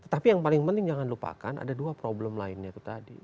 tetapi yang paling penting jangan lupakan ada dua problem lainnya itu tadi